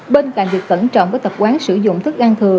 bên cạnh việc cẩn trọng với tập quán sử dụng thức ăn thừa